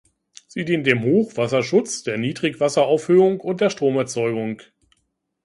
Sie dient dem Hochwasserschutz, der Niedrigwasseraufhöhung und der Stromerzeugung.